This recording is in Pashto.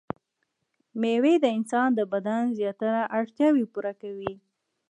مېوې د انسان د بدن زياتره اړتياوې پوره کوي.